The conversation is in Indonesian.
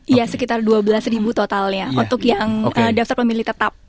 iya sekitar dua belas totalnya untuk yang daftar pemilih tetap